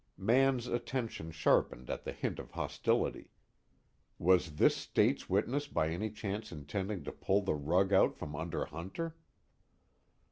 Mann's attention sharpened at the hint of hostility. Was this State's witness by any chance intending to pull the rug out from under Hunter?